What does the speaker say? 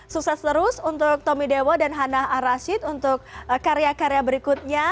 sukses terus untuk tommy dewa dan hana arashid untuk karya karya berikutnya